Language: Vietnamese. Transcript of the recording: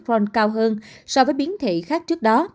khi người bệnh đang ở giai đoạn dễ lây nhiễm nhất